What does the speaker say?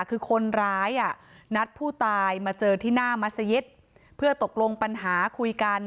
คือคนร้ายนัดผู้ตายมาเจอที่หน้ามัศยิตเพื่อตกลงปัญหาคุยกัน